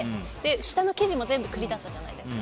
下の生地も全部栗だったじゃないですか。